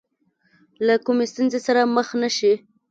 له کومې ستونزې سره مخ نه شي.